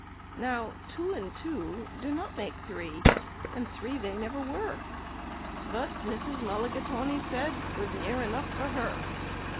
Now two and two do not make three, and three they never were; But Mrs. Mulligatawny said 'twas near enough for her.